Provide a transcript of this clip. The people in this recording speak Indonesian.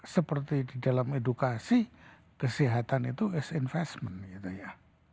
seperti di dalam edukasi kesehatan itu is investment gitu ya